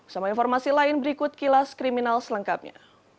sama informasi lain berikut kilas kriminal selengkapnya